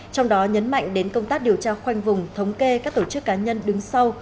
trong đó nhấn mạnh đến công tác điều tra khoanh vùng thống kê các tổ chức cá nhân đứng sau